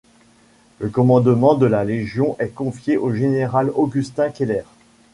Le commandement de la légion est confié au général Augustin Keller.